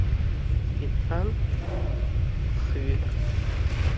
Итәан хҩык.